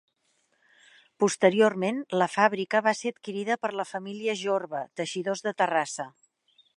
Posteriorment, la fàbrica, va ser adquirida per la família Jorba, teixidors de Terrassa.